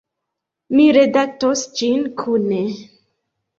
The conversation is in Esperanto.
Ni redaktos ĝin kune.